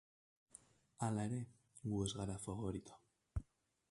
Hala ere, gu ez gara faborito.